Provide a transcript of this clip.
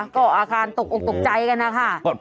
ก็อาคารตกอกตกใจกันนะคะ